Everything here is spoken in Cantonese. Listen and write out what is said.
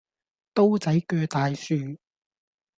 刀仔据大樹